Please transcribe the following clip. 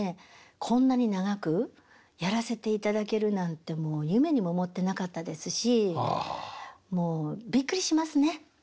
こんなに長くやらせていただけるなんて夢にも思ってなかったですしもうびっくりしますね。